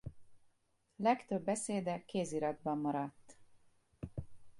Legtöbb beszéde kéziratban maradt.